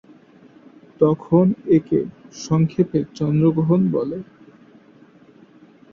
তখন একে সংক্ষেপে চন্দ্রগ্রহণ বলে।